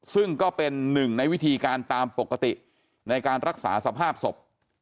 ซึ่งก็เป็นหนึ่งในวิธีการตามปกติในการรักษาสภาพศพ